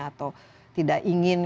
atau tidak ingin